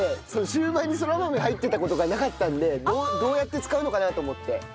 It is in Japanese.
焼売にそら豆入ってた事がなかったのでどうやって使うのかな？と思って。